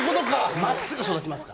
真っすぐ育ちますよ。